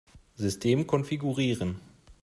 System konfigurieren.